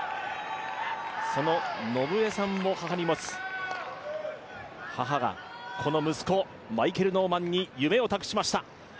その伸江さんを母に持つ、母がこの息子、マイケル・ノーマンに夢を託しました。